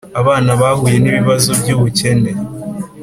Abana bahuye n ibibazo by ubukene